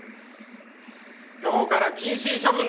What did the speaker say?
今日から謹慎処分だ！